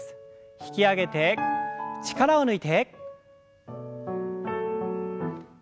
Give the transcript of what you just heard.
引き上げて力を抜いて。